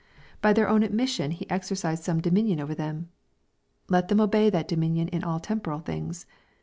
By their own admis sion he exercised som6 dominion over them. Let them obey that dominion in all temporal things.